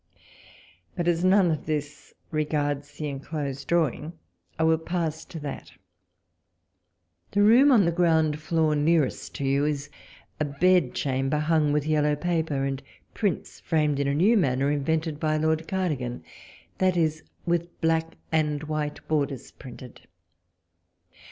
But as none of this regards the enclosed drawing, I will pass to that. The room on the ground floor nearest to you is a bed chamber, hung with yellow paper and prints, framed in a new manner, invented by Lord Cardigan ; that is, with black and white borders printed.